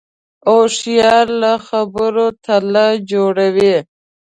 هوښیار له خبرو تله جوړوي